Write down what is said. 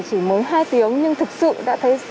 chỉ mới hai tiếng nhưng thực sự đã thấy